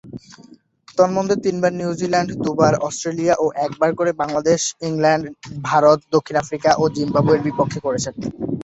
তন্মধ্যে, তিনবার নিউজিল্যান্ড, দুইবার অস্ট্রেলিয়া ও একবার করে বাংলাদেশ, ইংল্যান্ড, ভারত, দক্ষিণ আফ্রিকা ও জিম্বাবুয়ের বিপক্ষে করেছেন।